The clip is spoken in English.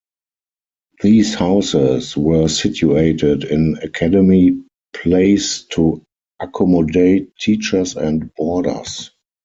These houses were situated in Academy Place to accommodate teachers and boarders.